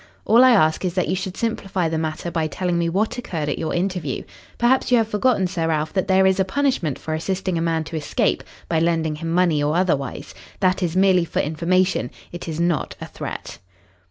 All I ask is that you should simplify the matter by telling me what occurred at your interview. Perhaps you have forgotten, Sir Ralph, that there is a punishment for assisting a man to escape by lending him money or otherwise. That is merely for information. It is not a threat."